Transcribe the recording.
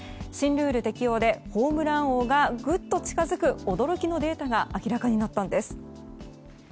新ルール適用でホームラン王がグッと近づく驚きのデータが明らかになったんです。